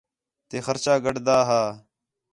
تے خرچہ گڈھدا ہا